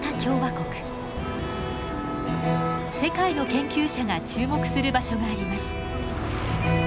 世界の研究者が注目する場所があります。